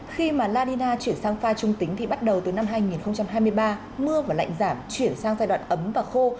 khi mà la nina chuyển sang pha trung tính thì bắt đầu từ năm hai nghìn hai mươi ba mưa và lạnh giảm chuyển sang giai đoạn ấm và khô